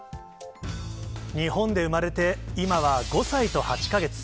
日本で生まれて、今は５歳と８か月。